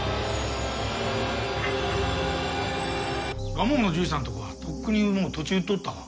蒲生のじいさんのとこはとっくにもう土地売っとったわ。